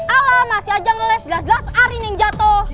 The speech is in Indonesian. alah masih aja ngeles jelas jelas arin yang jatuh